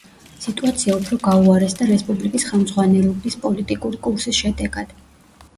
სიტუაცია უფრო გაუარესდა რესპუბლიკის ხელმძღვანელობის პოლიტიკური კურსის შედეგად.